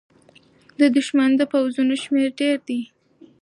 د دښمن د پوځونو شمېر ډېر دی.